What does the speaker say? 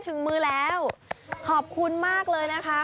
เฮ้ถึงมือแล้วเผื่อขอบคุณมากเลยนะคะ